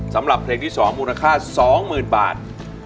สำหรับเพลงที่สองมูลค่าสองหมื่นบาท